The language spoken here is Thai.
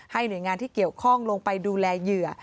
หน่วยงานที่เกี่ยวข้องลงไปดูแลเหยื่อ